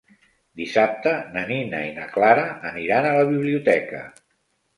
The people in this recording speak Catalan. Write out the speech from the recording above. Dissabte na Nina i na Clara aniran a la biblioteca.